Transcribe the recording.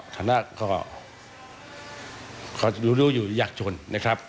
ฐานะเขาอยู่อยู่ยากจนนะครับ